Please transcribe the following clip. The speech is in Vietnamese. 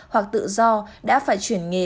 hoặc tự do đã phải chuyển nghề